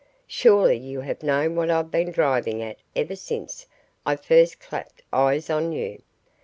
"Surely you have known what I've been driving at ever since I first clapped eyes on you.